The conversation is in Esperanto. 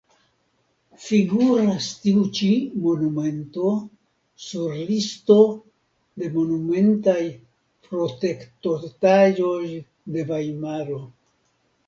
Figuras tiu ĉi monumento sur listo de monumentaj protektotaĵoj de Vajmaro.